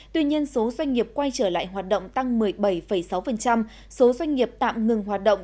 tuy nhiên số doanh nghiệp quay trở lại hoạt động tăng một mươi bảy sáu số doanh nghiệp tạm ngừng hoạt động